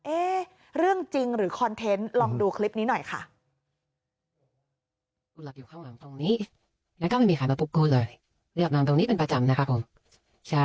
เอ๊ะเรื่องจริงหรือคอนเทนต์ลองดูคลิปนี้หน่อยค่ะ